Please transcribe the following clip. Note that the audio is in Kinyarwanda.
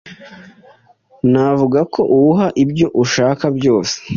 Ntavuga ko uwuha ibyo ushaka byose.”